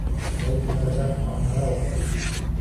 Мый тунаржак аҥыра омыл.